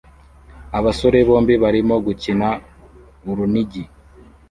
Abasore bombi barimo gukina urunigi